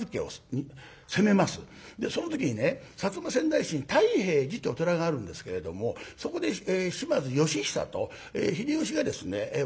その時にね薩摩川内市に泰平寺ってお寺があるんですけれどもそこで島津義久と秀吉がですね和睦を結ぶんですね。